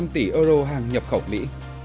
ba mươi năm tỷ euro hàng nhập khẩu mỹ